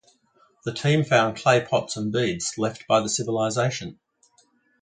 The team found clay pots and beads left by the civilization.